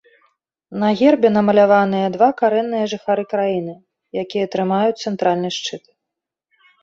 На гербе намаляваныя два карэнныя жыхары краіны, якія трымаюць цэнтральны шчыт.